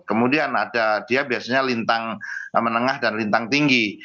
kemudian ada dia biasanya lintang menengah dan lintang tinggi